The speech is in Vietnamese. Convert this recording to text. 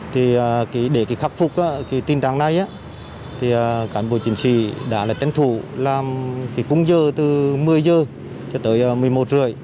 thì để khắc phục cái tình trạng này thì cán bộ chính sĩ đã là trang thủ làm cái cung giờ từ một mươi h cho tới một mươi một h ba mươi